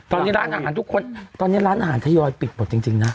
ตอนนี้ร้านอาหารทุกคนตอนนี้ร้านอาหารทยอยปิดหมดจริงนะ